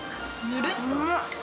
ぬるっと。